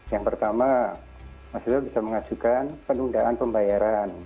yang pertama mahasiswa bisa mengajukan penundaan pembayaran